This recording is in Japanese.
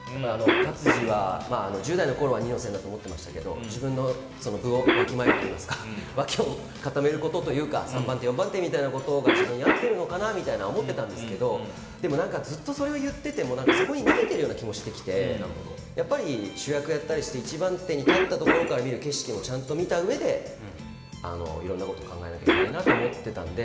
勝地は、１０代のころは二の線だと思ってましたけど自分の部をわきまえるといいますか脇を固めるというか３番手、４番手みたいなことが自分に合ってるのかなみたいに思ってたんですけどでもずっとそれを言っててもそこに逃げてるような気もしてきてやっぱり主役をやったりして一番手に立ったところから見る景色もちゃんと見たうえでいろんなこと考えなきゃいけないなと思っていたので。